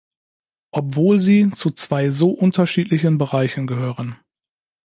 Obwohl sie zu zwei so unterschiedlichen Bereichen gehören.